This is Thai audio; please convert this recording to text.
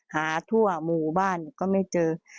หาทั่วหมู่บ้านก็ไม่เจอ